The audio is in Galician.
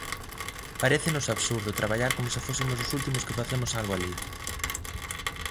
Parécenos absurdo traballar como se fósemos os últimos que facemos algo alí.